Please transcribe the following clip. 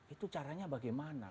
itu caranya bagaimana